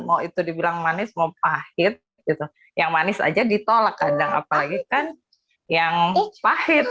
mau itu dibilang manis mau pahit gitu yang manis aja ditolak kadang apalagi kan yang pahit